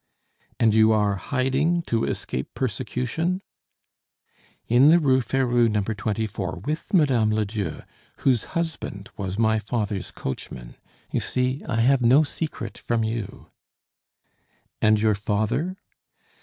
"And you are hiding to escape persecution?" "In the Rue Ferou, No. 24, with Mme. Ledieu, whose husband was my father's coachman. You see, I have no secret from you." "And your father?"